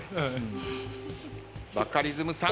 バカリズムさん